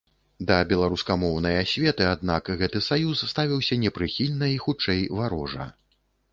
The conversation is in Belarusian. Да беларускамоўнай асветы, аднак, гэты саюз ставіўся непрыхільна і, хутчэй, варожа.